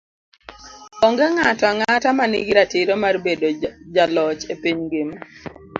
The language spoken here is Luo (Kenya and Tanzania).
Onge ng'ato ang'ata ma nigi ratiro mar bedo jaloch e piny ngima.